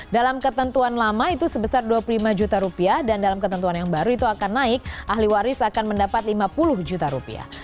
dalam ketentuan lama itu sebesar dua puluh lima juta rupiah dan dalam ketentuan yang baru itu akan naik ahli waris akan mendapat lima puluh juta rupiah